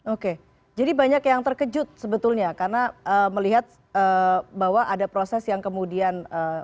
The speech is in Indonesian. oke jadi banyak yang terkejut sebetulnya karena melihat bahwa ada proses yang kemudian